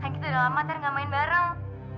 kan gitu udah lama ter nggak main bareng